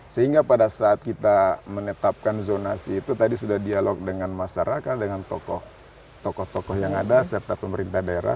sehingga pada saat kita menetapkan zonasi itu tadi sudah dialog dengan masyarakat dengan tokoh tokoh yang ada serta pemerintah daerah